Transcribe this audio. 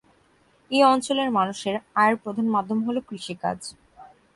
এই অঞ্চলের মানুষের আয়ের প্রধান মাধ্যম হলো কৃষিকাজ।